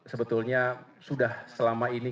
sebetulnya sudah selama ini